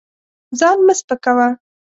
ځان مه سپکوه.